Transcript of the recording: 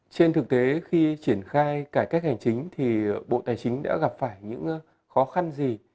trên thực tế khi triển khai cải cách hành chính thì bộ tài chính đã gặp phải những khó khăn gì